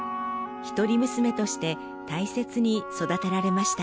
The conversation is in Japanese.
一人娘として大切に育てられました。